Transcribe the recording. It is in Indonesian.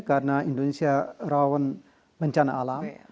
karena indonesia rawan bencana alam